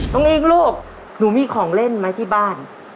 น้องอิ้งลูกหนูมีของเล่นไหมที่บ้าน